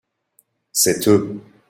c'est eux.